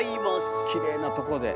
きれいなとこで。